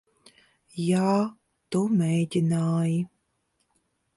Jā, tu mēģināji.